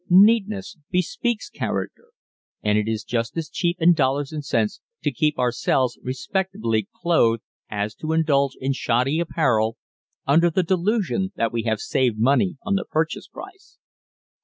Neatness bespeaks character, and it is just as cheap in dollars and cents to keep ourselves respectably clothed as to indulge in shoddy apparel under the delusion that we have saved money on the purchase price.